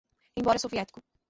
embora soviético